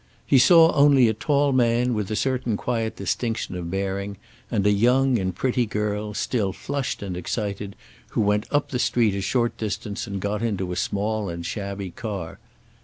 He saw only a tall man with a certain quiet distinction of bearing, and a young and pretty girl, still flushed and excited, who went up the street a short distance and got into a small and shabby car.